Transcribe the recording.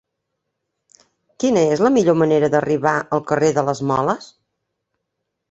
Quina és la millor manera d'arribar al carrer de les Moles?